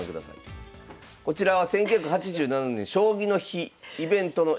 こちらは１９８７年「将棋の日」イベントの映像。